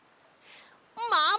ママ！